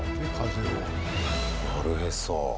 なるへそ。